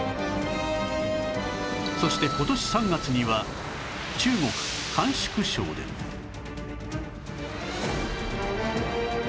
そして今年３月には中国甘粛省でが発生